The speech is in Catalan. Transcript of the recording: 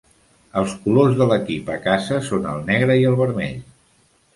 Els colors de l'equip a casa són el negre i el vermell.